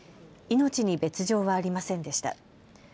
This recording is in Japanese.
命に別状はありませんでした。